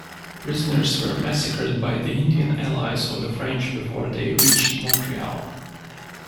Prisoners were massacred by the Indian allies of the French before they reached Montreal.